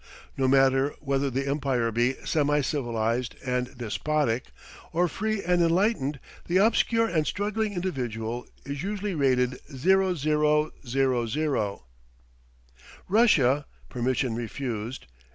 No matter whether the empire be semi civilized and despotic, or free and enlightened, the obscure and struggling individual is usually rated 0000. Russia "permission refused."